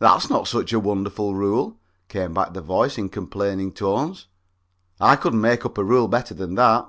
"That's not such a wonderful rule," came back the voice in complaining tones. "I could make up a rule better than that."